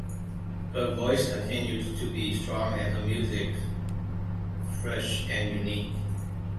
Her voice continues to be strong and her music fresh and unique.